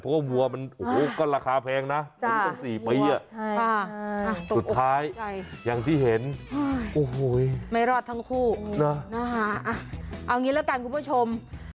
เพราะว่าวัวมันโอ้โหก็ราคาแพงนะถึงตั้ง๔ปีสุดท้ายอย่างที่เห็นโอ้โหไม่รอดทั้งคู่เอางี้ละกันคุณผู้ชม